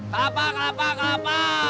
kelapa kelapa kelapa